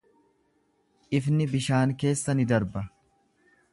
Ifni bishaan keessa ni darba.